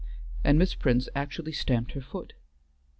and Miss Prince actually stamped her foot.